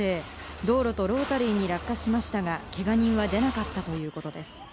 道路とロータリーに落下しましたが、けが人は出なかったということです。